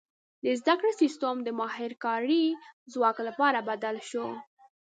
• د زده کړې سیستم د ماهر کاري ځواک لپاره بدل شو.